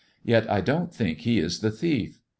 Yet I don't think he is the thief.